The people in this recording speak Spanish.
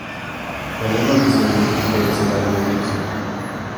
La lengua oficial de Egipto es el árabe-egipcio.